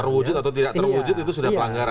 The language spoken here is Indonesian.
terwujud atau tidak terwujud itu sudah pelanggaran